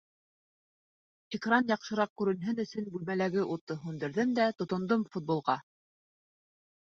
Экран яҡшыраҡ күренһен өсөн бүлмәләге утты һүндерҙем дә тотондом футболға.